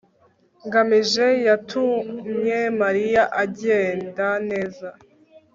ngamije yatumye mariya agenda. neza